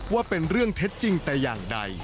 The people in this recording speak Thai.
ว่าเป็นเรื่องเท็จจริงแต่อย่างใด